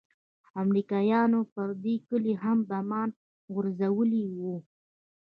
امريکايانو پر دې کلي هم بمان غورځولي وو.